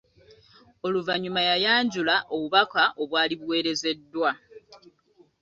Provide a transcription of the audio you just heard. Oluvanyuma yayanjula obubaka obwali buweerezeddwa.